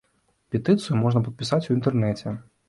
Петыцыю можна падпісаць у інтэрнэце.